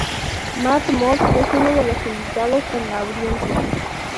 Mad Mod es uno de los invitados en la audiencia.